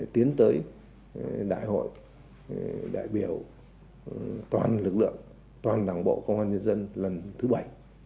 tiến tới đại hội đại biểu toàn lực lượng toàn đảng bộ công an nhân dân lần thứ bảy